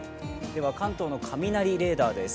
関東の雷レーダーです。